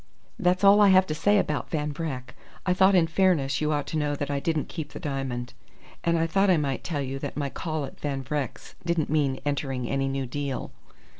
"That's all I have to say about Van Vreck. I thought in fairness you ought to know that I didn't keep the diamond. And I thought I might tell you that my call at Van Vreck's didn't mean entering any new deal."